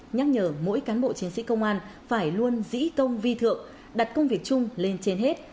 nhắc nhở mỗi cán bộ chiến sĩ công an phải luôn dĩ công vi thượng đặt công việc chung lên trên hết